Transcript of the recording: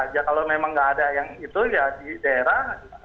ya kalau memang nggak ada yang itu ya di daerah